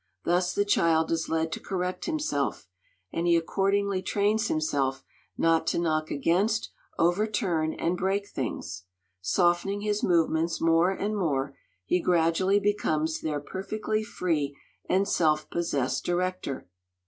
Thus the child is led to correct himself, and he accordingly trains himself not to knock against, overturn, and break things; softening his movements more and more, he gradually becomes their perfectly free and self possessed director.